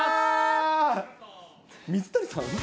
水谷さん？